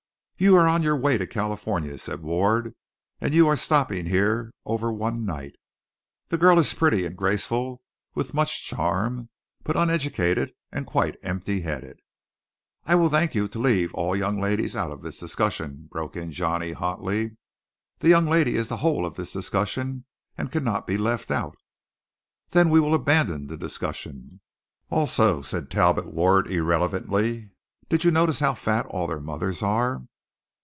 "You are on your way to California," said Ward, "and you are stopping here over one night. The girl is pretty and graceful and with much charm, but uneducated, and quite empty headed." "I will thank you to leave all young ladies out of this discussion," broke in Johnny hotly. "This young lady is the whole of this discussion and cannot be left out." "Then we will abandon the discussion." "Also," said Talbot Ward irrelevantly, "did you notice how fat all their mothers are?"